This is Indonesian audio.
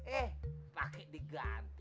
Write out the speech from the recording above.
eh pake diganti